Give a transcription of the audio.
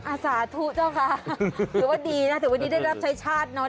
สาธุเจ้าคะถือว่าดีนะถึงวันนี้ได้รับใช้ชาติเนอะ